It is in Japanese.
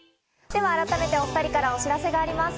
では改めてお２人からお知らせがあります。